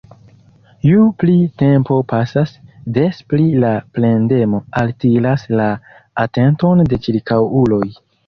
Ju pli tempo pasas, des pli la plendemo altiras la atenton de ĉirkaŭuloj.